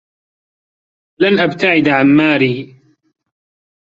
لن أبتعد عن ماري.